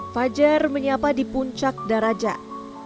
fajar menyapa di puncak darajat